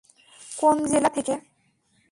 কোন জেলা থেকে?